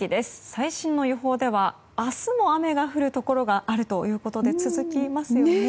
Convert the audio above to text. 最新の予報では、明日も雨が降るところがあるということで続きますよね。